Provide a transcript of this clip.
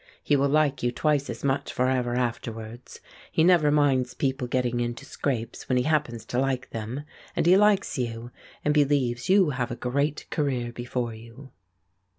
He will like you twice as much for ever afterwards; he never minds people getting into scrapes when he happens to like them, and he likes you and believes you have a great career before you."